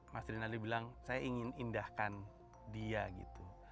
mas rinaldi bilang saya ingin indahkan dia gitu